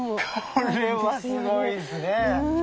これはすごいですね。